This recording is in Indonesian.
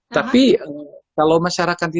tapi kalau masyarakatnya